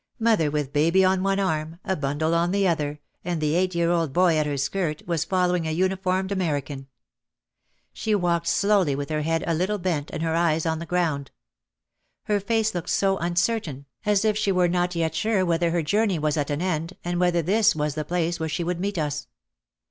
Mother with baby on one arm, a bundle on the other, and the eight year old boy at her skirt, was following a uniformed American. She walked slowly with her head a little bent and her eyes on the ground. Her face looked so OUT OF THE SHADOW 145 uncertain, as if she were not yet sure whether her journey was at an end and whether this was the place where she would meet us.